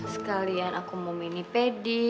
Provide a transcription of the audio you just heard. sekalian aku mau mini pedi